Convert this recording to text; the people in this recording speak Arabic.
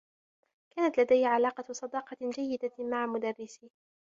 كانت لديّ علاقة صداقة جيّدة مع مدرّسي.